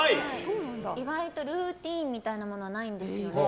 意外とルーティンみたいなものはないんですよ。